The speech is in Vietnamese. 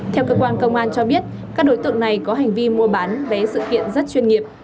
theo cơ quan công an cho biết các đối tượng này có hành vi mua bán vé sự kiện rất chuyên nghiệp